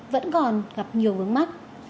vẫn còn gặp nhiều vướng mắt